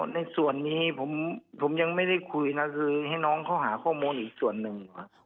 ในส่วนนี้ผมยังไม่ได้คุยนะคือให้น้องเขาหาข้อมูลอีกส่วนหนึ่งอยู่